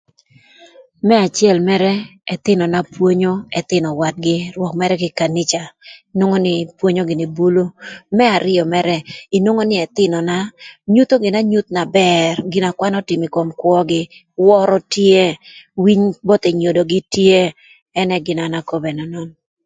Më acël mërë ëthïnö na pwonyo ëthïnö wadgï rwök mërë kï ï kanica, inwongo nï, pwonyo gïnï bulu, më arïö mërë, inwongo nï ëthïnöna nyutho gïnï anyuth na bër gin na kwan ötïmö ï kom kwögï, wörö tye, winy both enyodogï tye, ënë gin na an akobo ënön.